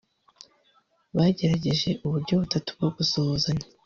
bagerageje uburyo butatu bwo gusuhuzanya